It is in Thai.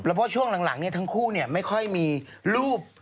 เพราะว่าช่วงหลังเนี่ยทั้งคู่เนี่ยไม่ค่อยมีรูป